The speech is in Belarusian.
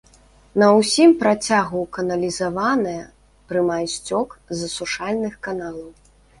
На ўсім працягу каналізаваная, прымае сцёк з асушальных каналаў.